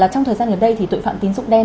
trong thời gian gần đây thì tội phạm tín dụng đen